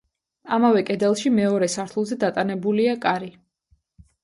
ამავე კედელში მეორე სართულზე დატანებულია კარი.